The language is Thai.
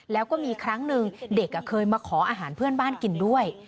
แล้วก็มีครั้งหนึ่งเด็กเคยมาขออาหารเพื่อนบ้านกินด้วย